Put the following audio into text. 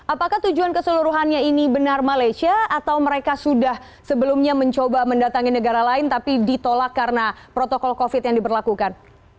apakah tujuan keseluruhannya ini benar malaysia atau mereka sudah sebelumnya mencoba mendatangi negara lain tapi ditolak karena protokol covid yang diberlakukan